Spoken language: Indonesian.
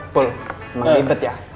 pol melibet ya